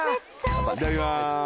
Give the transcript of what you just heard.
いただきます！